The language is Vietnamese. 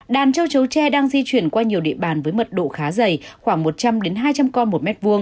đàn châu chấu tre đang di chuyển qua nhiều địa bàn với mật độ khá dày khoảng một trăm linh hai trăm linh con một m hai